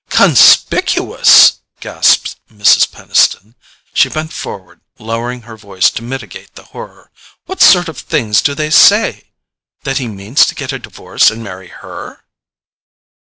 "CONSPICUOUS!" gasped Mrs. Peniston. She bent forward, lowering her voice to mitigate the horror. "What sort of things do they say? That he means to get a divorce and marry her?"